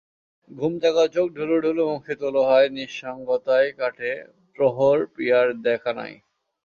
ঘুম জাগা চোখ ঢুলুঢুলু মুখে তোলো হাই, নিঃসঙ্গতায় কাটে প্রহর প্রিয়ার দেখা নাই।